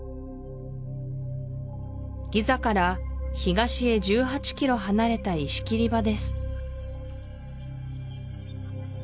ギザから東へ１８ｋｍ離れた石切り場です